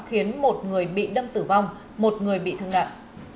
khiến một người bị đâm tử vong một người bị thương nặng